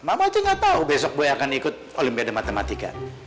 mama aja gak tau besok boy akan ikut olimpiade matematika